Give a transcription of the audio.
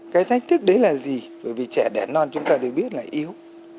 cái thách thức đấy là gì bởi vì trẻ đẻ non chúng ta đều biết là yếu